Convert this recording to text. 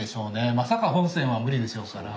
まさか本線は無理でしょうから。